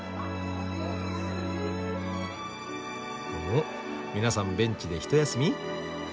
お皆さんベンチで一休み？